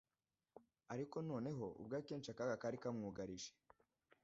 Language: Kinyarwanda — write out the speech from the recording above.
ariko noneho ubwo akenshi akaga kari kamwugarije,